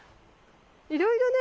いろいろね